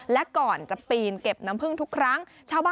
และก่อนจะปีนเก็บน้ำพึ่งทุกครั้ง